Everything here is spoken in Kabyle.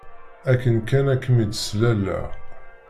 Akken kan ad kem-id-slaleɣ